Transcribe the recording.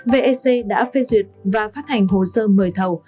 vec đã phê duyệt và phát hành hồ sơ mời thầu